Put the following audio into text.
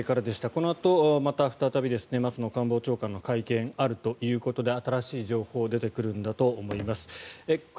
このあと、また再び松野官房長官の会見があるということで新しい情報が出てくるんだと思います。